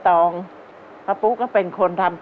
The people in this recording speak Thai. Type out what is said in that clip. ตัวเลือกที่สองวนทางซ้าย